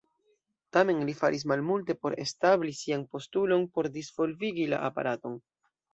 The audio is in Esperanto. Tamen, li faris malmulte por establi sian postulon por disvolvigi la aparaton.